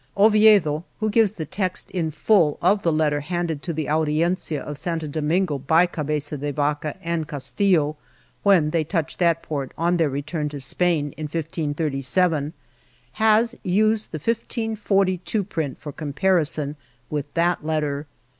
Oviedo, who gives the text in full of the Letter handed to the Audiencia of Santo Domingo by Cabeza de Vaca and Castillo when they touched that port on their return to Spain, in 1537, has used the 1542 print for comparison with that letter.